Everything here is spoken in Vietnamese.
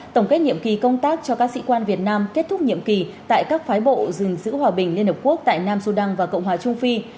tổng kết nhiệm kỳ công tác cho các sĩ quan việt nam kết thúc nhiệm kỳ tại các phái bộ gìn giữ hòa bình liên hợp quốc tại nam sudan và cộng hòa trung phi